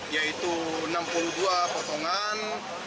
yaitu enam puluh dua potongan